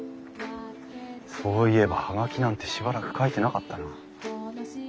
そういえば葉書なんてしばらく書いてなかったな。